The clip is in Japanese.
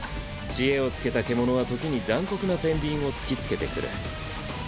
知恵を付けた獣は時に残酷な天秤を突きつけてくる。